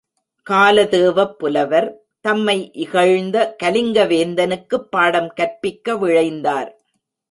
காலதேவப் புலவர், தம்மை இகழ்ந்த கலிங்கவேந்தனுக்குப் பாடம் கற்பிக்க விழைந்தார்.